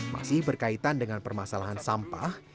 masih berkaitan dengan permasalahan sampah